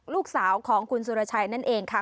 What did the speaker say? ลูกสาวของคุณสุรชัยนั่นเองค่ะ